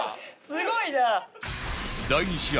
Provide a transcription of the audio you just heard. すごいな。